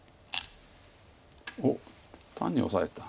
おっ単にオサえた。